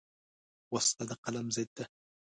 وسله د قلم ضد ده